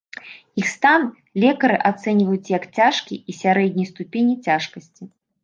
Іх стан лекары ацэньваюць як цяжкі і сярэдняй ступені цяжкасці.